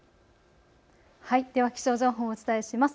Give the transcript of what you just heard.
では気象情報をお伝えします。